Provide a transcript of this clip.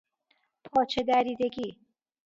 پاچه دریدگی